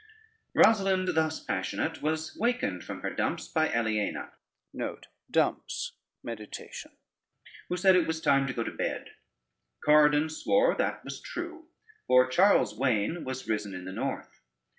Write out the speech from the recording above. Rosalynde, thus passionate, was wakened from her dumps by Aliena, who said it was time to go to bed. Corydon swore that was true, for Charles' Wain was risen in the north.